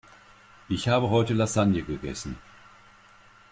Ich habe heute Lasagne gegessen.